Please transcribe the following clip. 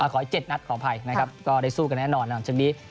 ขออีก๗นัทขออภัยนะครับก็ได้สู้กันแน่นอนนะครับ